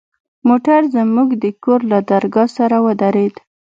موټر زموږ د کور له درگاه سره ودرېد.